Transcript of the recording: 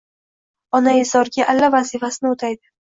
Onaizorga alla vazifasini oʻtaydi.